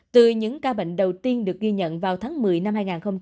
từ những ca bệnh đầu tiên được ghi nhận vào tháng một mươi năm hai nghìn hai mươi ba